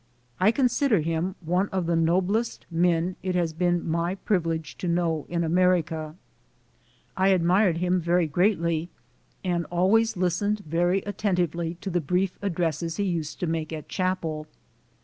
I consider him one of the noblest men it has been my privilege to know in America. I admired him very greatly and always listened very attentively to the brief addresses he used to make at chapel.